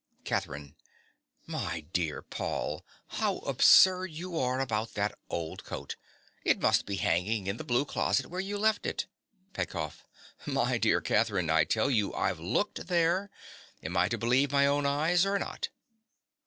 CATHERINE. My dear Paul, how absurd you are about that old coat! It must be hanging in the blue closet where you left it. PETKOFF. My dear Catherine, I tell you I've looked there. Am I to believe my own eyes or not?